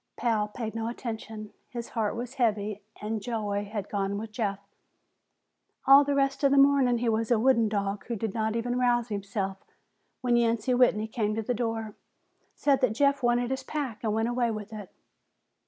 Pal paid no attention. His heart was heavy and joy had gone with Jeff. All the rest of the morning he was a wooden dog who did not even rouse himself when Yancey Whitney came to the door, said that Jeff wanted his pack, and went away with it.